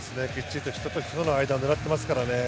人と人との間を狙っていますからね。